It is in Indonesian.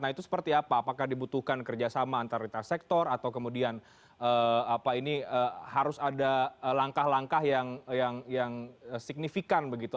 nah itu seperti apa apakah dibutuhkan kerjasama antar lintas sektor atau kemudian harus ada langkah langkah yang signifikan begitu